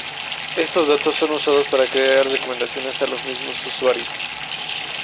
Estos datos son usados para crear recomendaciones a los mismos usuarios.